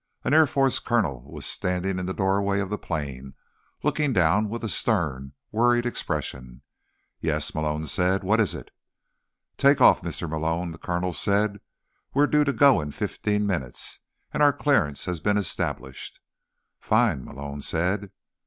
An Air Force colonel was standing in the doorway of the plane, looking down with a stern, worried expression. "Yes?" Malone said. "What is it?" "Takeoff, Mr. Malone," the colonel said. "We're due to go in fifteen minutes, and our clearance has been established." "Fine," Malone said.